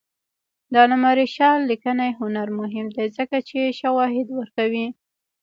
د علامه رشاد لیکنی هنر مهم دی ځکه چې شواهد ورکوي.